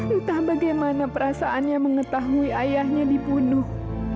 entah bagaimana perasaannya mengetahui ayahnya dibunuh